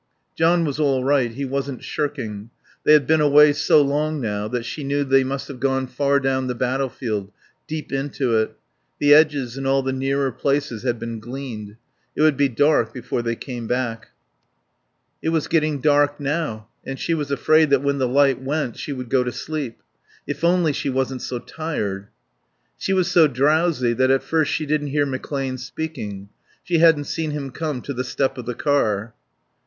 John was all right; he wasn't shirking. They had been away so long now that she knew they must have gone far down the battlefield, deep into it; the edges and all the nearer places had been gleaned. It would be dark before they came back. It was getting dark now, and she was afraid that when the light went she would go to sleep. If only she wasn't so tired. She was so drowsy that at first she didn't hear McClane speaking, she hadn't seen him come to the step of the car.